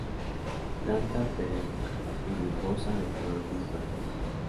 Planta perenne y bulbosa de color gris verdoso.